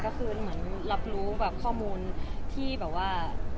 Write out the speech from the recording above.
ก็คือเหมือนรับรู้แบบข้อมูลที่แบบว่า